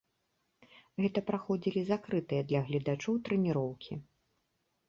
Гэта праходзілі закрытыя для гледачоў трэніроўкі.